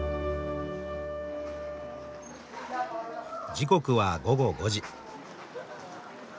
時刻は午後５時。